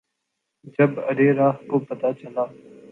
جب ارے راہ کو پتہ چلا